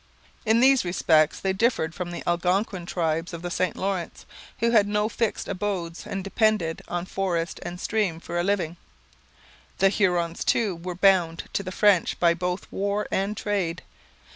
In these respects they differed from the Algonquin tribes of the St Lawrence, who had no fixed abodes and depended on forest and stream for a living. The Hurons, too, were bound to the French by both war and trade.